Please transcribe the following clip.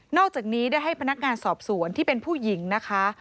อกจากนี้ได้ให้พนักงานสอบสวนที่เป็นผู้หญิงนะคะ